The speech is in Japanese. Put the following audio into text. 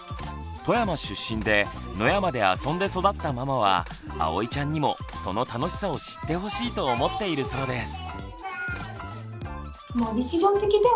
富山出身で野山であそんで育ったママはあおいちゃんにもその楽しさを知ってほしいと思っているそうです。